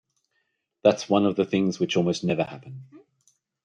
That's one of the things which almost never happen.